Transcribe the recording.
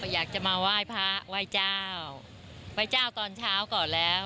อยากจะมาไหว้พระไหว้เจ้าไหว้เจ้าตอนเช้าก่อนแล้ว